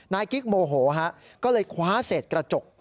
นายกิ๊กโมโหฮะก็เลยคว้าเสร็จกระจก